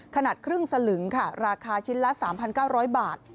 ขนาดครึ่งสลึงค่ะราคาชิ้นละ๓๙๐๐บาท